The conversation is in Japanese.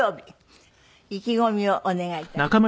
意気込みをお願いいたします。